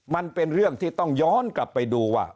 มันเป็นเรื่องที่ต้องย้อนกลับไปดูว่า